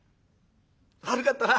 悪かったな。